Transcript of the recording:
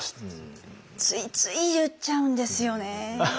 ついつい言っちゃうんですよね。